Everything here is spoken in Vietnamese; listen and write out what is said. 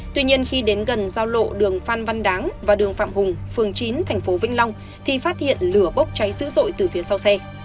tuy nhiên khi đến gần giao lộ đường phan văn đáng và đường phạm hùng phường chín thành phố vĩnh long thì phát hiện lửa bốc cháy dữ dội từ phía sau xe